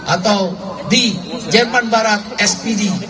atau di jerman barat spd